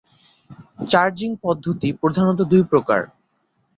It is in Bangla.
চার্জিং পদ্ধতি প্রধাণত দুই প্রকার।